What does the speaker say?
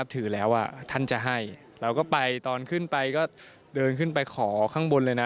ถือแล้วท่านจะให้เราก็ไปตอนขึ้นไปก็เดินขึ้นไปขอข้างบนเลยนะ